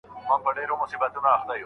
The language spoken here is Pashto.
آیا وفاداري تر خیانت غوره ده؟